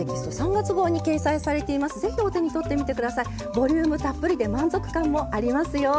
ボリュームたっぷりで満足感もありますよ。